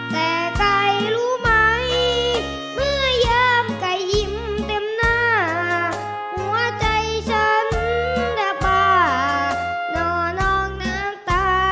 แต่ใกล่รู้ไหมเมื่อย้ำกล่ายยิ้มเต็มหน้าหัวใจฉันเดี่ยวป่านอนอกหน้างตาอยู่นาน